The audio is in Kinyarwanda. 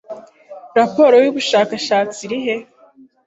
Raporo y'ubushakashatsi iri he